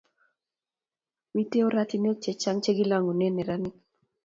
Mitei ortinwek chechang chekilongune neranik